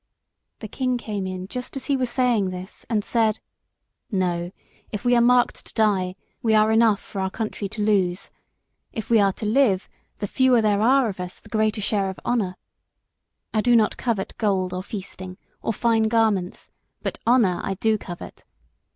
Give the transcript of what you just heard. The king came in just as he was saying this, and said "No, if we are marked to die, we are enough for our country to lose. If we are to live, the fewer there are of us the greater share of honour. I do not covet gold or feasting, or fine garments, but honour I do covet.